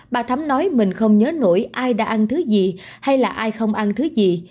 bà thắm nói mình không nhớ nổi ai đã ăn thứ gì hay là ai không ăn thứ gì